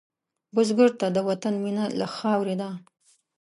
بزګر ته د وطن مینه له خاورې ده